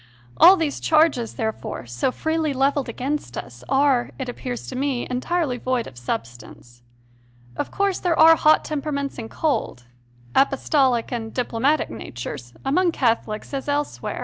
All these charges, there fore, so freely levelled against us, are, it appears to me, entirely void of substance. Of course there are hot temperaments and cold, apostolic and diplomatic natures, among Catholics, as elsewhere.